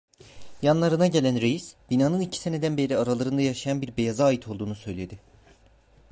Yanlarına gelen reis, binanın iki seneden beri aralarında yaşayan bir beyaza ait olduğunu söyledi.